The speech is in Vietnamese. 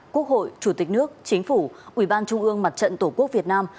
quốc hội chủ tịch nước chính phủ ủy ban trung ương mặt trận tổ quốc việt nam